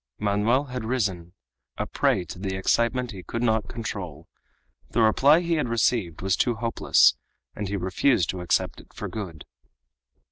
Manoel had risen, a prey to the excitement he could not control; the reply he had received was too hopeless, and he refused to accept it for good.